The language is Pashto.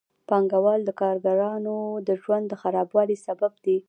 پانګوال د کارګرانو د ژوند د خرابوالي سبب دي